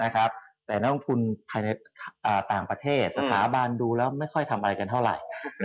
แต่นักลงทุนภายในต่างประเทศสถาบันดูแล้วไม่ค่อยทำอะไรกันเท่าไหร่